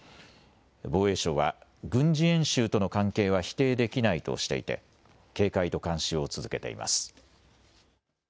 防衛省は軍事演習との関係は否定できないとしていて警戒と監視を続けています。